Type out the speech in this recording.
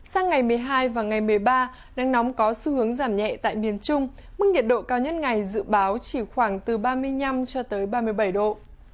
sang ngày một mươi hai và ngày một mươi ba nắng nóng có xu hướng giảm nhẹ tại miền trung mức nhiệt độ cao nhất ngày dự báo chỉ khoảng từ ba mươi năm cho tới ba mươi bảy độ